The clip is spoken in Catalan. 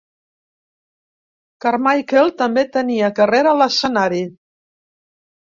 Carmichael també tenia carrera a l'escenari.